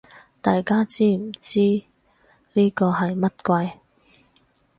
大家知唔知呢個係乜鬼